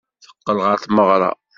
Teqqel ɣer tmeɣra.